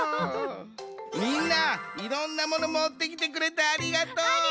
みんないろんなモノもってきてくれてありがとう。